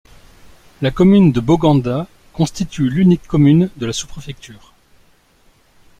La commune de Boganda constitue l’unique commune de la sous-préfecture.